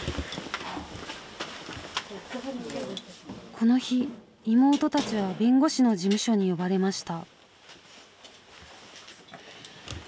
この日妹たちは弁護士の事務所に呼ばれました。